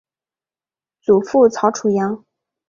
祖父曹楚阳。